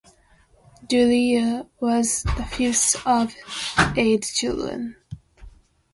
Julia was the fifth of eight children.